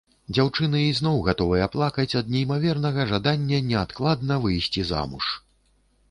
Дзяўчыны ізноў гатовыя плакаць ад неймавернага жадання неадкладна выйсці замуж.